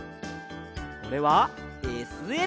これはＳＬ！